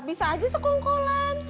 bisa aja sekongkolan